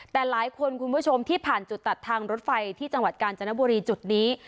แต่หลายคนคุณผู้ชมที่ผ่านจุดตัดทางรถไฟที่จังหวัดกาญจนบุรีจุดนี้